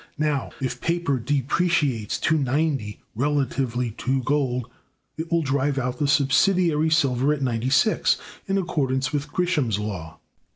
Now, if paper depreciates to 90, relatively to gold, it will drive out the subsidiary silver at 96, in accordance with Gresham's law.